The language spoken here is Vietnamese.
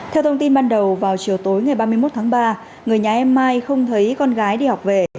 theo thông tin ban đầu vào chiều tối ngày ba mươi một tháng ba người nhà em mai không thấy con gái đi học về